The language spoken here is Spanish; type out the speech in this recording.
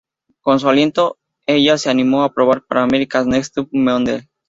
Con su aliento, ella se animó a probar para America's Next Top Model.